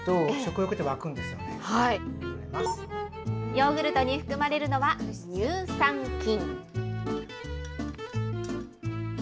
ヨーグルトに含まれるのは乳酸菌。